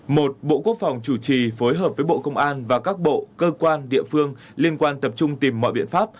một bộ quốc phòng chủ trì phối hợp với bộ công an và các bộ cơ quan địa phương liên quan tập trung tìm mọi biện pháp